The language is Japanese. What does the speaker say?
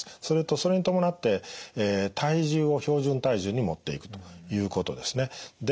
それとそれに伴って体重を標準体重にもっていくということですね。